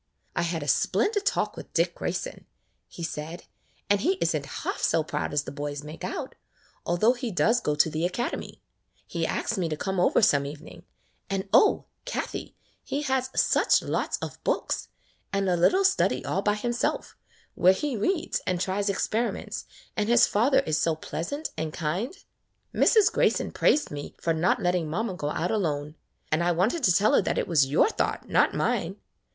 "I had a splendid talk with Dick Grayson," he said, "and he is n't half so proud as the boys make out, although he does go to the Acad emy. He asked me to come over some even ing ; and, oh ! Kathie, he has such lots of books, and a little study all by himself, where he reads and tries experiments, and his father is so pleasant and kind. Mrs. Grayson praised me for not letting mamma go out alone, and I wanted to tell her that it was your thought, not mine.